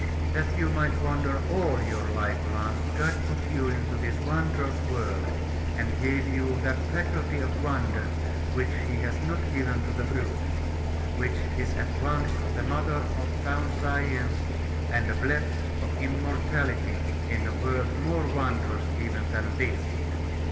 That you might wonder all your life long, God put you into this wondrous world, and gave you that faculty of wonder which he has not given to the brutes; which is at once the mother of sound science, and a pledge of immortality in a world more wondrous even than this.